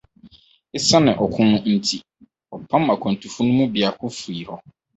Esiane ɔko no nti, wɔpam akwantufo no mu biako fii hɔ.